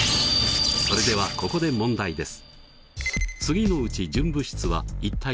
それではここで問題です。